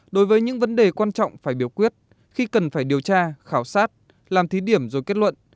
đối với những vấn đề quan trọng phải biểu quyết khi cần phải điều tra khảo sát làm thí điểm rồi kết luận